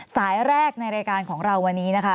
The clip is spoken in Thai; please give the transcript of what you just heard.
สายแรกในรายการของเราวันนี้นะคะ